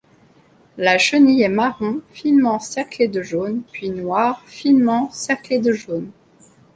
La chenille est marron finement cerclée de jaune puis noire finement cerclée de jaune.